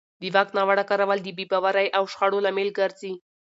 د واک ناوړه کارول د بې باورۍ او شخړو لامل ګرځي